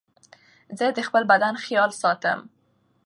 زه د خپل بدن خيال ساتم.